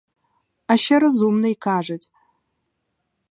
А ще розумний, кажуть!